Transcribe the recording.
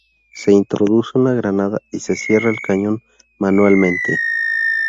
Se introduce una granada y se cierra el cañón manualmente.